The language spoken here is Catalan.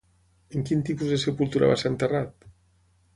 En quin tipus de sepultura va ser enterrat?